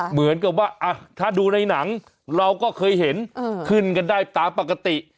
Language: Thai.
เหมือนกับว่าถ้าดูในหนังเราก็เคยเห็นขึ้นกันได้ตามปกติ